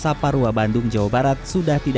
dan juga untuk menemukan pemerintah yang lebih aktif